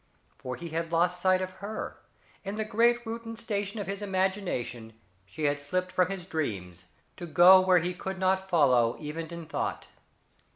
For he had lost sight of her in the great Reuton station of his imagination she had slipped from his dreams to go where he could not follow, even in thought.